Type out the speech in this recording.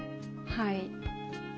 はい。